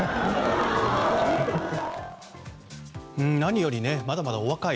何よりまだまだお若い。